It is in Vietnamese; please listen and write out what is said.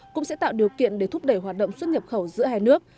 cũng sẽ tạo điều kiện để thúc đẩy hoạt động xuất nhập khẩu giữa hai nước